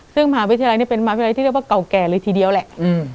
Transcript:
ซึ่งมหาวิทยาลัยนี่เป็นมหาวิทยาลัยที่เรียกว่าเก่าแก่เลยทีเดียวแหละ